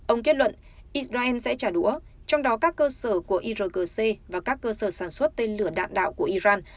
ông kết luận israel sẽ trả đũa trong đó các cơ sở của irgc và các cơ sở sản xuất tên lửa đạn đạo của iran